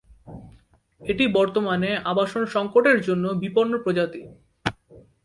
এটি বর্তমানে আবাসন সংকটের জন্য বিপন্ন প্রজাতি।